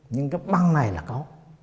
nhưng cái băng này là có